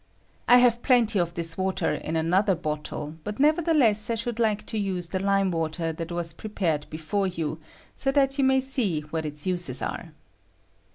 I have plenty of this water in another bottle, but nevertheless I should like to use the lime water that was prepared before you, so that you may see what its uses are.